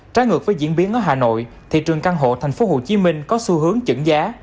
trái ngược với diễn biến ở hà nội thị trường căn hộ tp hcm có xu hướng chững giá